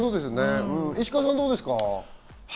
石川さん、どうですか？